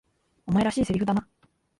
お前らしい台詞だな。